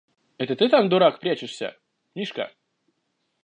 – Это ты там, дурак, прячешься? – Мишка!